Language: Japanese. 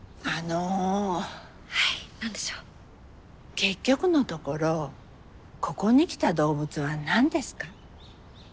結局のところここに来た動物は何ですか？